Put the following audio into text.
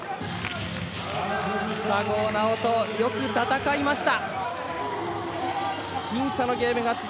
佐合尚人、よく戦いました。